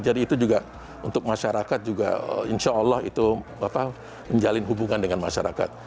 jadi itu juga untuk masyarakat juga insya allah itu menjalin hubungan dengan masyarakat